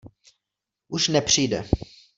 Už nepřijde.